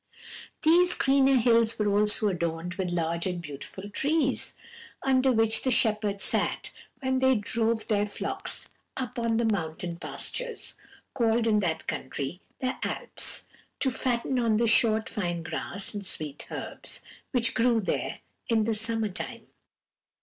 "These greener hills were also adorned with large and beautiful trees under which the shepherds sat when they drove their flocks up on the mountain pastures, called in that country the Alps, to fatten on the short fine grass and sweet herbs, which grew there in the summer time.